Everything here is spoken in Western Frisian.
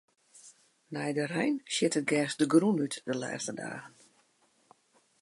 Nei de rein sjit it gers de grûn út de lêste dagen.